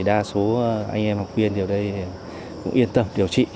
đa số anh em học viên ở đây cũng yên tâm điều trị